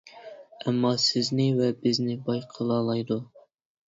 ئەمما سىزنى ۋە بىزنى باي قىلالايدۇ.